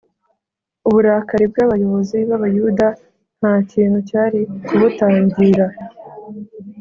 . Uburakari bw’abayobozi b’Abayuda nta kintu cyari kubutangira.